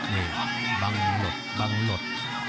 นี่บังหลดบังหลด